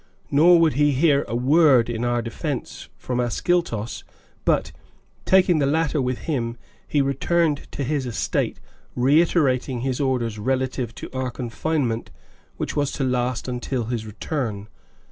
Nor would he hear a word in our defense, from Ascyltos, but, taking the latter with him, he returned to his estate, reiterating his orders relative to our confinement, which was to last until his return.